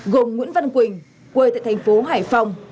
gồm nguyễn văn quỳnh quê tại thành phố hải phòng